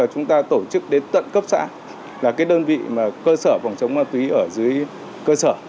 chúng ta tổ chức đến tận cấp xã là cái đơn vị mà cơ sở phòng chống ma túy ở dưới cơ sở